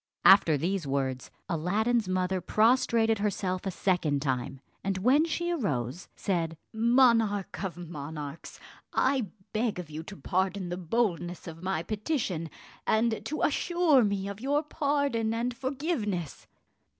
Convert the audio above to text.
After these words, Aladdin's mother prostrated herself a second time; and when she arose, said, "Monarch of monarchs, I beg of you to pardon the boldness of my petition, and to assure me of your pardon and forgiveness."